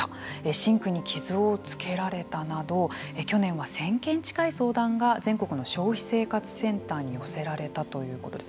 シンクに傷を付けられたなど去年は１０００件近い相談が全国の消費生活センターに寄せられたということです。